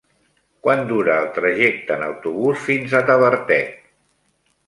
Quant dura el trajecte en autobús fins a Tavertet?